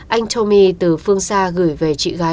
anh tommy từ phương xa gửi về chị gái